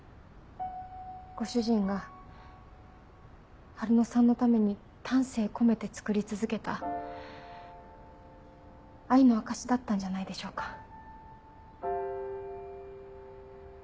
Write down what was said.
ご主人が春乃さんのために丹精込めて造り続けた愛の証しだったんじゃないでしょうか。